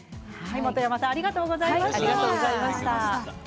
本山さんありがとうございました。